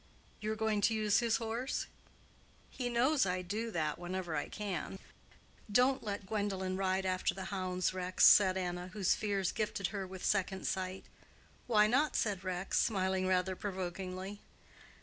"You are going to use his horse?" "He knows I do that whenever I can." "Don't let Gwendolen ride after the hounds, Rex," said Anna, whose fears gifted her with second sight. "Why not?" said Rex, smiling rather provokingly.